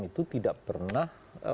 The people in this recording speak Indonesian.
itu tidak pernah